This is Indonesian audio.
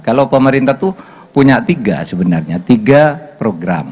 kalau pemerintah itu punya tiga sebenarnya tiga program